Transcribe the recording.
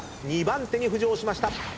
２番手に浮上しました。